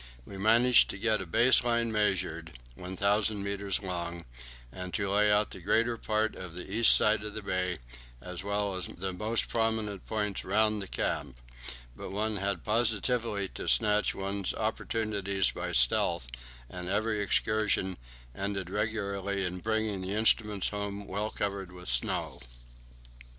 We managed to get a base line measured, 1,000 metres long, and to lay out the greater part of the east side of the bay, as well as the most prominent points round the camp; but one had positively to snatch one's opportunities by stealth, and every excursion ended regularly in bringing the instruments home well covered with snow.